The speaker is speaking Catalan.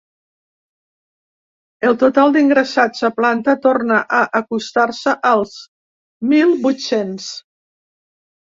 El total d’ingressats a planta torna a acostar-se als mil vuit-cents.